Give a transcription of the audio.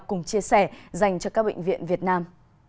cùng chia sẻ dành cho các bệnh viện việt nam